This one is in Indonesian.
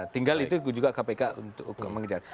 tinggal itu juga kpk untuk mengejar